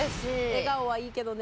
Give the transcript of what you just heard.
笑顔はいいけどね。